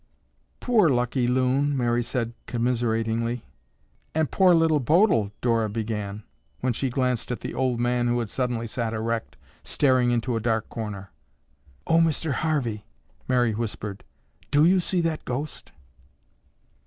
"Poor Lucky Loon!" Mary said commiseratingly. "An' poor Little Bodil," Dora began, when she glanced at the old man who had suddenly sat erect, staring into a dark corner. "Oh, Mr. Harvey," Mary whispered, "do you see that ghost?"